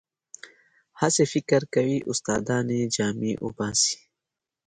هسې فکر کوي استادان یې جامې وباسي.